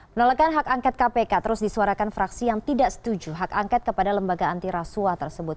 penolakan hak angkat kpk terus disuarakan fraksi yang tidak setuju hak angkat kepada lembaga anti rasuah tersebut